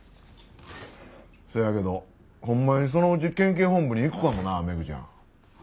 そやけどほんまにそのうち県警本部に行くかもなメグちゃん。